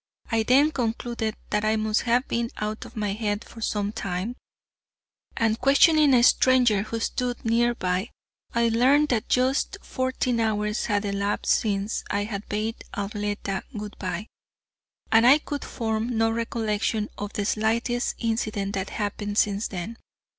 I then concluded that I must have been out of my head for some time, and questioning a stranger, who stood nearby, I learned that just fourteen hours had elapsed since I had bade Arletta good bye, and I could form no recollection of the slightest incident that happened since then.